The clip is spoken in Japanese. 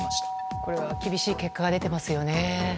これは厳しい結果が出ていますよね。